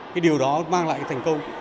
cái điều đó mang lại thành công